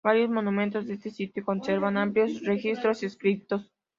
Varios monumentos de este sitio conservan amplios registros escritos.